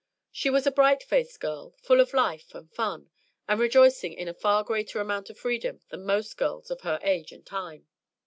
She was a bright faced girl, full of life and fun, and rejoicing in a far greater amount of freedom than most girls of her age and time.